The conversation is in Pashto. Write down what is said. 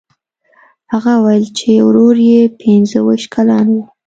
هغه وویل چې ورور یې پنځه ویشت کلن و.